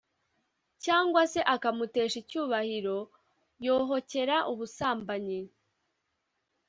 cyangwa se akamutesha icyubahiro, yohokera ubusambanyi.